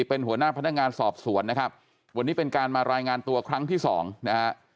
เป็นหัวหน้าพนักงานสอบสวนนะครับวันนี้เป็นการมารายงานตัวครั้งที่สองนะฮะ